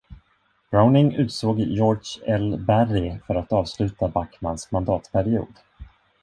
Browning utsåg George L. Berry för att avsluta Bachmans mandatperiod.